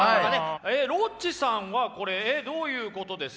ロッチさんはこれどういうことですか？